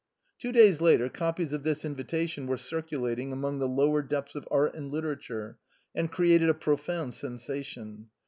Two days later copies of this invitation were circulating among the lower depths of art and literature, and created a profound sensation.